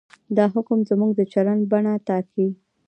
دا حکم زموږ د چلند بڼه ټاکي.